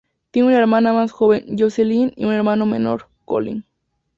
Tiene una hermana más joven, Jocelyn, y un hermano menor, Colin.